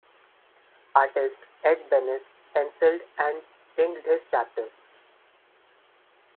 Artist Ed Benes pencilled and inked his chapter.